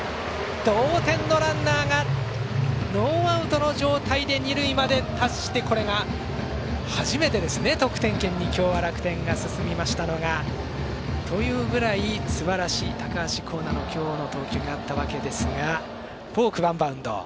同点のランナーがノーアウトの状態で二塁まで達してこれが初めてですね、得点圏に楽天が今日は進みましたのは。というぐらいすばらしい高橋光成の今日の投球があったわけですがフォーク、ワンバウンド。